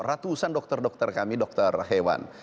ratusan dokter dokter kami dokter hewan